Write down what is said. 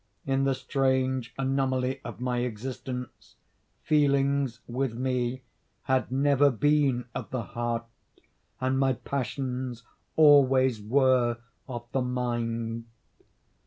In the strange anomaly of my existence, feelings with me, had never been of the heart, and my passions always were of the mind.